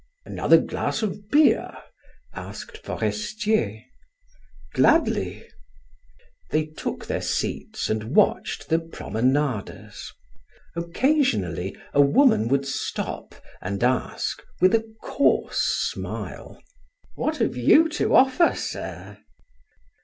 "Another glass of beer?" asked Forestier. "Gladly." They took their seats and watched the promenaders. Occasionally a woman would stop and ask with a coarse smile: "What have you to offer, sir?"